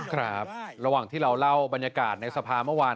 ครับระหว่างที่เราเล่าบรรยากาศในสภาเมื่อวาน